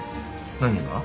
何が？